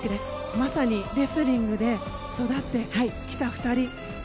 まさにレスリングで育ってきた２人。